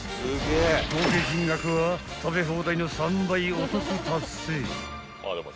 ［合計金額は食べ放題の３倍お得達成］